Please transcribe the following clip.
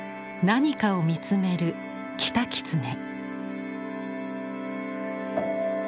何かを見つめる「キタキツネ」。